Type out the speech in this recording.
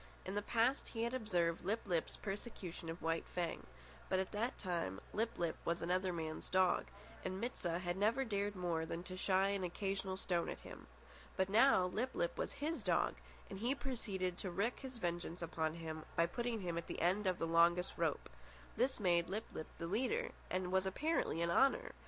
In the past he had observed Lip lip's persecution of White Fang; but at that time Lip lip was another man's dog, and Mit sah had never dared more than to shy an occasional stone at him. But now Lip lip was his dog, and he proceeded to wreak his vengeance on him by putting him at the end of the longest rope. This made Lip lip the leader, and was apparently an honour!